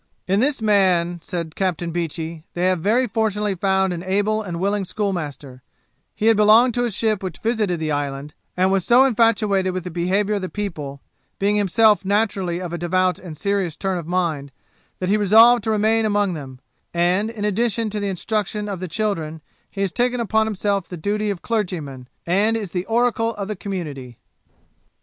'In this man,' says Captain Beechey, 'they have very fortunately found an able and willing schoolmaster; he had belonged to a ship which visited the island, and was so infatuated with the behaviour of the people, being himself naturally of a devout and serious turn of mind, that he resolved to remain among them; and, in addition to the instruction of the children, has taken upon himself the duty of clergyman, and is the oracle of the community.'